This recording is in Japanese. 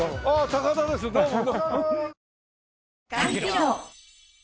高田ですどうも。